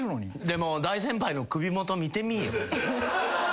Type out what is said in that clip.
でも大先輩の首元見てみぃよ。